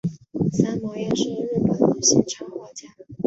三毛央是日本女性插画家。